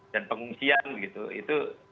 dan pengungsian begitu itu